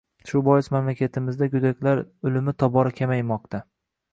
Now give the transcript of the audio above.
Shu bois mamlakatimizda go‘daklar o‘limi tobora kamaymoqda